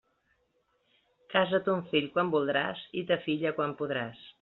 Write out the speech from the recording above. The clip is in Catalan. Casa ton fill quan voldràs, i ta filla quan podràs.